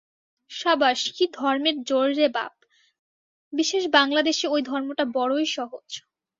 সাবাস, কি ধর্মের জোর রে বাপ! বিশেষ বাঙলাদেশে ঐ ধর্মটা বড়ই সহজ।